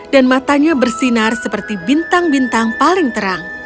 dan matanya bersinar seperti bintang bintang paling terang